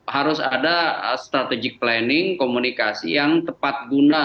harus ada strategic planning komunikasi yang tepat guna